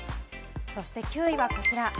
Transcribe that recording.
そして９位はこちら。